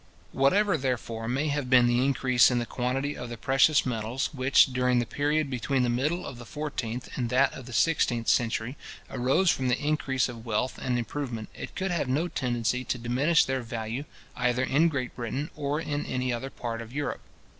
Whatever, therefore, may have been the increase in the quantity of the precious metals, which, during the period between the middle of the fourteenth and that of the sixteenth century, arose from the increase of wealth and improvement, it could have no tendency to diminish their value, either in Great Britain, or in my other part of Europe.